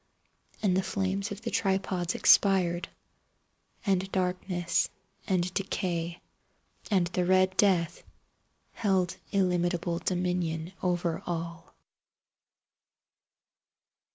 And the flames of the tripods expired. And Darkness and Decay and the Red Death held illimitable dominion over all.